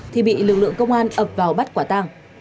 thì bị lực lượng công an ập vào bắt quả tang